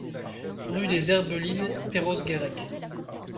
Rue des Herbelines, Perros-Guirec